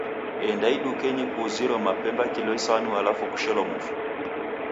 Enda idukenyi kuuziro mapemba kilo isanu alafu kushelo mufu.